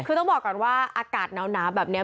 คือต้องบอกก่อนว่าอากาศหนาวแบบนี้